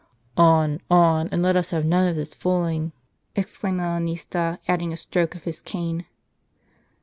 " On, on, and let us have none of this fooling," exclaimed the kim'sfa, adding a stroke of his cane.